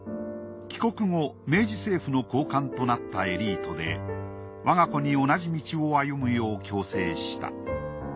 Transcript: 帰国後明治政府の高官となったエリートで我が子に同じ道を歩むよう強制した。